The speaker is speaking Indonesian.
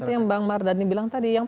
seperti yang bang mardhani bilang tadi yang